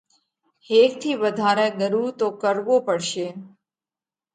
ھيڪ ٿِي وڌارئہ ڳرُو تو ڪروو پڙشي۔